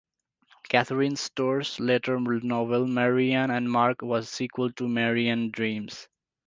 Catherine Storr's later novel "Marianne and Mark" was a sequel to "Marianne Dreams".